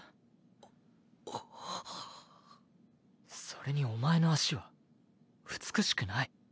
それにお前の脚は美しくない。